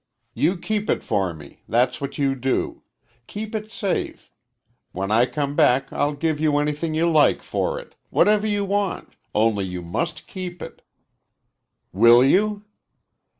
You keep it for me that's what you do. Keep it safe. When I come back, I'll give you anything you like for it. Whatever you want only you must keep it. Will you?"